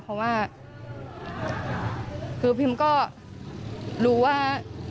เพราะว่าคือพิมก็รู้ว่า